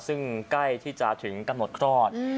ซึ่งใกล้ที่จะถึงกำหนดคลอด